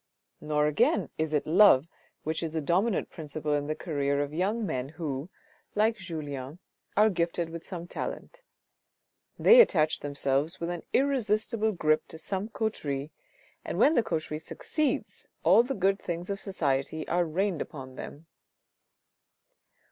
Nor again is it love which is the dominant principle in the career of young men who, like Julien, are gifted with some talent; they attach themselves with an irresistible grip to some coterie, and when the coterie succeeds all the good things of society are rained upon them.